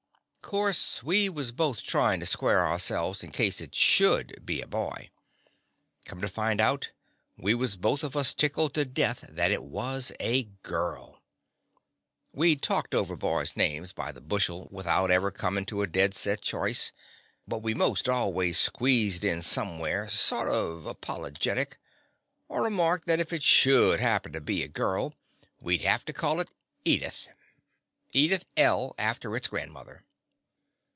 Course we was both tryin' to square ourselves in case it should be a boy. Come to find out, we was both of us tickled to death that it was a girl. We 'd talked over boys' names by the bushel without ever coming to a dead set choice, but we most always squeezed in somewhere, sort of apolo getic, a remark that if it should hap pen to be a girl we 'd have to call it Edith L., after its grandmother.